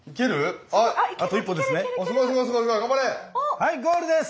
はいゴールです！